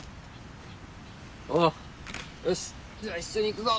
おっよしじゃあ一緒にいくぞ。